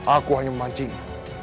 aku hanya memancing